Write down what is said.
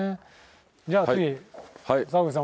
じゃあ次坂口さん